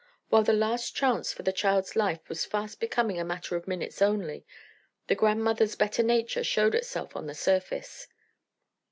While the last chance for the child's life was fast becoming a matter of minutes only, the grandmother's better nature showed itself on the surface.